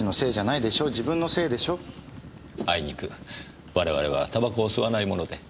あいにく我々はタバコを吸わないもので。